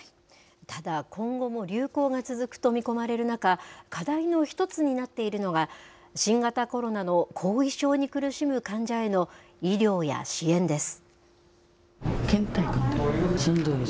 ただ、今後も流行が続くと見込まれる中、課題の一つになっているのが、新型コロナの後遺症に苦しむ患者への医療や支援です。